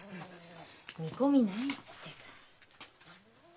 見込みないって。